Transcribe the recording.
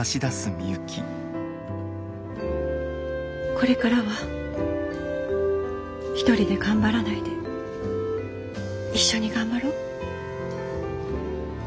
これからは１人で頑張らないで一緒に頑張ろう。